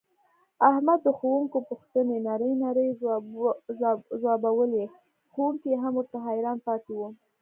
احمد د ښوونکي پوښتنې نرۍ نرۍ ځواوبولې ښوونکی یې هم ورته حیران پاتې و.